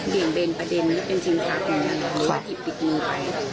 เด่นประเด็นเป็นชิงทรัพย์หรือว่าถิดปิดมือไป